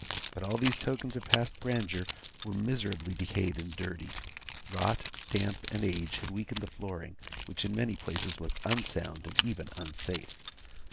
But all these tokens of past grandeur were miserably decayed and dirty; rot, damp, and age, had weakened the flooring, which in many places was unsound and even unsafe.